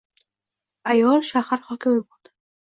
ayol shahar hokimi bo‘ldi.